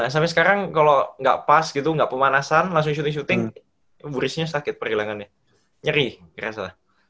sampai sekarang kalau gak pas gitu gak pemanasan langsung syuting syuting burisnya sakit perhilangannya nyerih kira kira